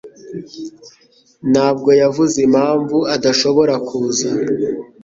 ntabwo yavuze impamvu adashobora kuza.